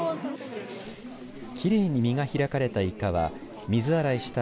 きれいに身が開かれたいかは水洗いした